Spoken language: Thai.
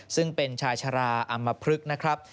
ซึ่งเป็นชายชาราอำมพลึกนะครับ